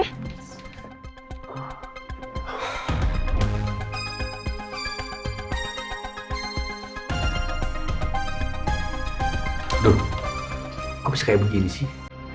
aduh kok bisa kayak begini sih